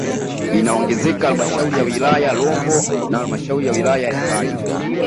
Inaongezeka halmashauri ya wilaya ya Rombo na halmashauri ya wilaya ya Hai